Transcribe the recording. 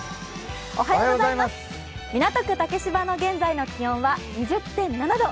港区竹芝の現在の気温は２０．７度。